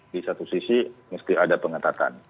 di satu sisi mesti ada pengetatan